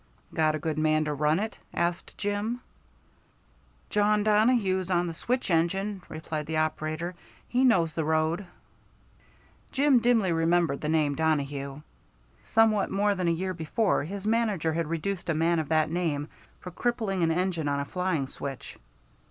"Got a good man to run it?" asked Jim. "Jawn Donohue's on the switch engine," replied the operator. "He knows the road." Jim dimly remembered the name Donohue. Somewhat more than a year before his manager had reduced a man of that name for crippling an engine on a flying switch.